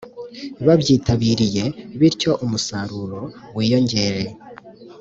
babyitabiriye bityo umusaruro wiyongere